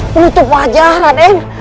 penutup wajah rade